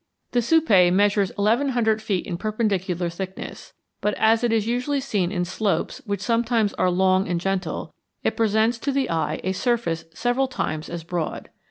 The Supai measures eleven hundred feet in perpendicular thickness, but as it is usually seen in slopes which sometimes are long and gentle, it presents to the eye a surface several times as broad.